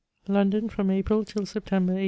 London, from April till September, 1^22.